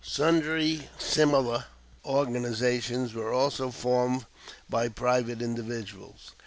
Sundry similar organizations were also formed by private individuals.